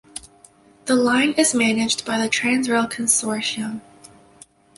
The line is managed by the Transrail consortium.